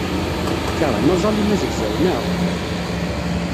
Tkeṛhem aẓalim azegzaw, naɣ?